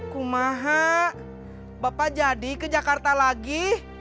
kumaha bapak jadi ke jakarta lagi